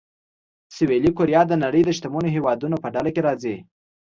سویلي کوریا د نړۍ د شتمنو هېوادونو په ډله کې راځي.